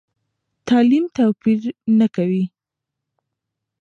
تعلیم توپیر نه کوي.